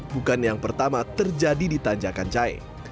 bukan yang pertama terjadi di tanjakan cahe